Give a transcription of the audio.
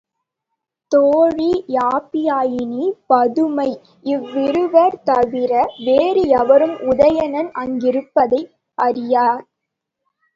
தோழி யாப்பியாயினி, பதுமை இவ்விருவர் தவிர வேறு எவரும் உதயணன் அங்கிருப்பதை அறியார்.